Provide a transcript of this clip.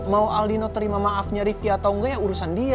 mau aldino terima maafnya rifki atau enggak ya urusan dia